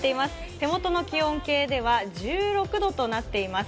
手元の気温計では１６度となっています。